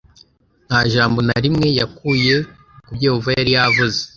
nta jambo na rimwe yakuye ku byoyehova yari yavuze